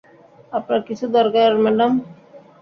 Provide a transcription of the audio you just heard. আপনার কিছু দরকার, ম্যাডাম?